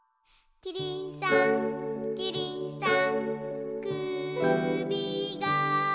「キリンさんキリンさん」